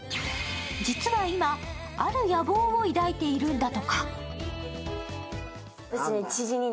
実は今、ある野望を抱いているんだとか。